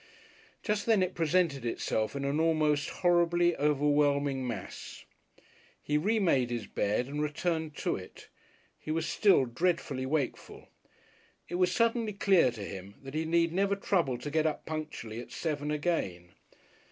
Just then it presented itself in an almost horribly overwhelming mass. He remade his bed and returned to it. He was still dreadfully wakeful. It was suddenly clear to him that he need never trouble to get up punctually at seven again.